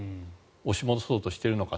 押し戻そうとしているのか。